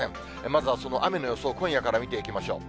まずは、その雨の予想を今夜から見ていきましょう。